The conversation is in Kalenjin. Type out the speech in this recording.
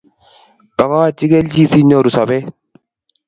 Bagochi kelchin sinyoru sobet